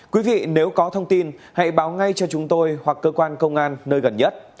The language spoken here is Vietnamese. quý vị nếu có thông tin hãy báo ngay cho chúng tôi hoặc cơ quan công an nơi gần nhất